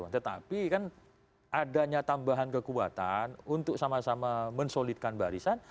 tetapi kan adanya tambahan kekuatan untuk sama sama mensolidkan barisan